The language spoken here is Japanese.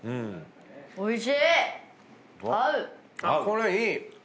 あっこれいい！